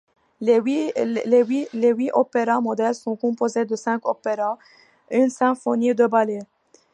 Les huit opéras modèles sont composés de cinq opéras, une symphonie, deux ballets.